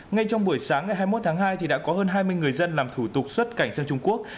ngay trong buổi sáng ngày hai mươi một tháng hai đã có hơn hai mươi người dân làm thủ tục xuất cảnh sang trung quốc